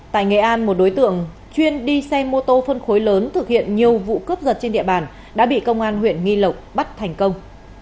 tại nghệ an một đối tượng chuyên đi xe mô tô phân khối lớn thực hiện nhiều vụ cướp giật trên địa bàn đã bị công an huyện nghi lộc bắt thành công